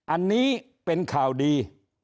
อันนี้เป็นข่าวดี